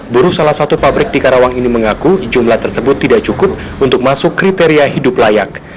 buruh salah satu pabrik di karawang ini mengaku jumlah tersebut tidak cukup untuk masuk kriteria hidup layak